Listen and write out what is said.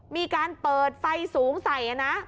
มีการเปิดไฟสูงใส่นะ